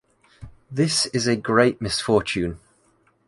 This is a great misfortune!